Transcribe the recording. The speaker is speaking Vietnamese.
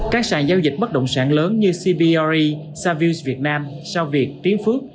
các sàn giao dịch bất động sản lớn như cbory savius việt nam sao việt tiến phước